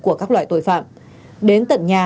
của các loại tội phạm đến tận nhà